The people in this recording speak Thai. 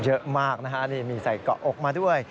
เยอะมากนะฮะนี่มีใส่เกาะอกมาด้วย